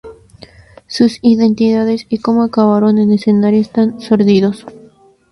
Sus identidades y cómo acabaron en escenarios tan sórdidos.